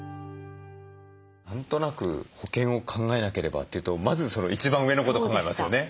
何となく保険を考えなければというとまずその一番上のこと考えますよね。